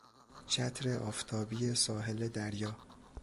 چتر آفتابی ساحل دریا